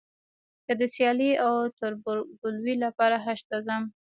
که د سیالۍ او تربورګلوۍ لپاره حج ته ځم.